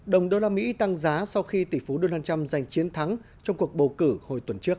đồng đô la mỹ tăng giá sau khi tỷ phú đô la trăm giành chiến thắng trong cuộc bầu cử hồi tuần trước